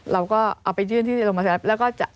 เราก็เอาไปยื่นที่โรงพยานศิริราช